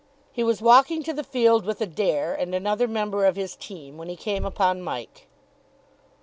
He was walking to the field with Adair and another member of his team when he came upon Mike.